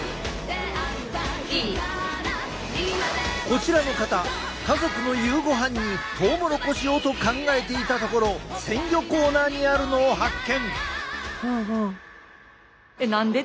こちらの方家族の夕ごはんにトウモロコシをと考えていたところ鮮魚コーナーにあるのを発見。